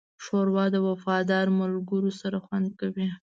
ښوروا د وفادار ملګرو سره خوند کوي.